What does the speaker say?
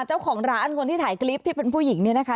เจ้าของร้านคนที่ถ่ายคลิปที่เป็นผู้หญิงเนี่ยนะคะ